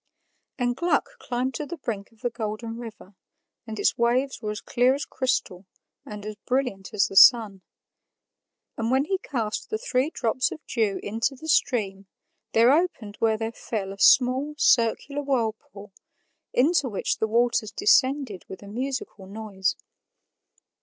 And Gluck climbed to the brink of the Golden River, and its waves were as clear as crystal and as brilliant as the sun. And when he cast the three drops of dew into the stream, there opened where they fell a small, circular whirlpool, into which the waters descended with a musical noise.